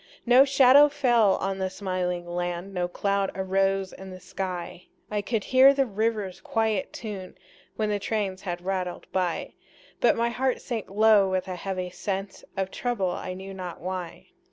No shadow fell on the smiling land, No cloud arose in the sky; I could hear the river's quiet tune When the trains had rattled by; But my heart sank low with a heavy sense Of trouble, I knew not why.